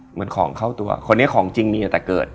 เหมือนของเข้าตัวคนนี้ของจริงมีแต่เกิด